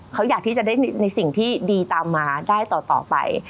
เขาอยากที่จะได้ในสิ่งที่ดีตามมาได้ต่อไป